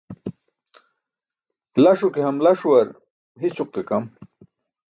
Laṣo ke hama-laaṣuwar hi̇ćoq ke kam.